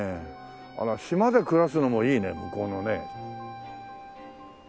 あら島で暮らすのもいいね向こうのね。